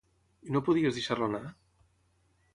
I no pudies deixar-lo anar?